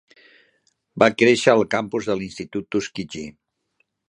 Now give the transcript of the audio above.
Va créixer al campus de l'Institut Tuskegee.